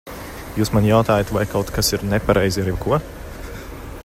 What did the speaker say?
Jūs man jautājat, vai kaut kas ir nepareizi ar jebko?